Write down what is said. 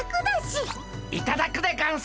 いただくでゴンス。